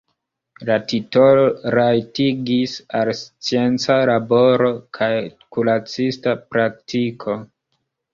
La titolo rajtigis al scienca laboro kaj kuracista praktiko.